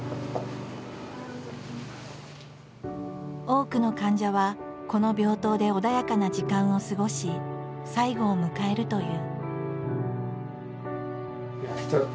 多くの患者はこの病棟で穏やかな時間を過ごし最期を迎えるという。